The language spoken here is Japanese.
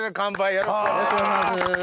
よろしくお願いします！